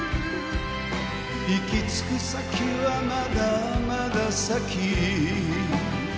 「行き着く先はまだまだ先」